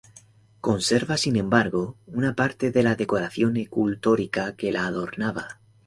Conserva, sin embargo, una parte de la decoración escultórica que la adornaba.